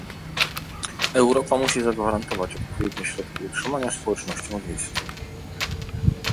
Europa musi zagwarantować odpowiednie środki utrzymania społecznościom wiejskim